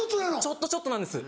ちょっとちょっとなんです。